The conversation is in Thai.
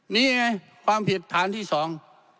นี่ไงความผิดฐานที่สอง